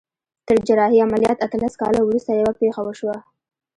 تر جراحي عمليات اتلس کاله وروسته يوه پېښه وشوه.